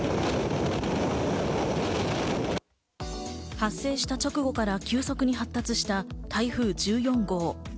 発生した直後から急速に発達した台風１４号。